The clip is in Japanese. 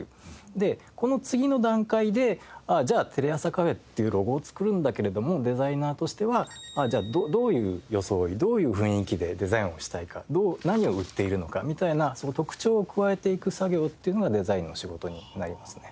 でこの次の段階でじゃあ「テレ朝Ｃａｆｅ」っていうロゴを作るんだけれどもデザイナーとしてはどういう装いどういう雰囲気でデザインをしたいか何を売っているのかみたいなその特徴を加えていく作業っていうのがデザインの仕事になりますね。